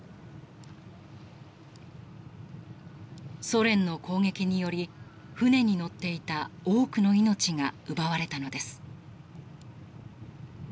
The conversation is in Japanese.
ソ連の攻撃により船に乗っていた多くの命が奪われたのです。